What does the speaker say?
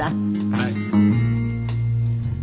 はい。